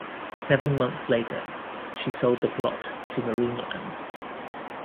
Seven months later, she sold the plot to Marineland.